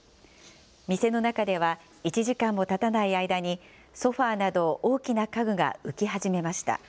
店の中では、１時間もたたない間にソファーなど大きな家具が浮き始めました。